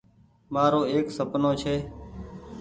مآرو ايڪ سپنو ڇي۔